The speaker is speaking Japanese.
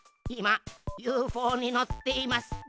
いまユーフォーにのっています。